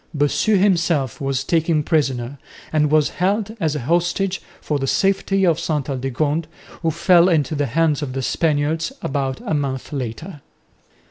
Bossu himself was taken prisoner and was held as a hostage for the safety of Ste Aldegonde, who fell into the hands of the Spaniards about month later.